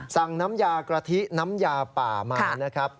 น้ำยากะทิน้ำยาป่ามานะครับ